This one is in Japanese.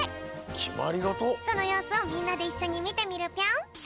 そのようすをみんなでいっしょにみてみるぴょん！